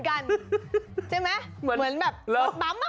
ต้องทำถ้าเหมือนกัน